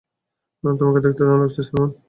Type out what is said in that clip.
তোমাকে দেখতে দারুণ লাগছে, সাইমন!